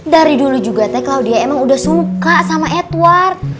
dari dulu juga teh kalau dia emang udah suka sama edward